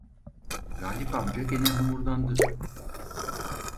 Galip amca gene homurdandı: